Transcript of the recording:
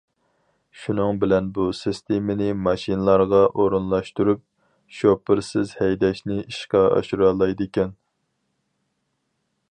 شۇنىڭ بىلەن بۇ سىستېمىنى ماشىنىلارغا ئورۇنلاشتۇرۇپ شوپۇرسىز ھەيدەشنى ئىشقا ئاشۇرالايدىكەن.